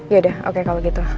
ya udah oke kalau gitu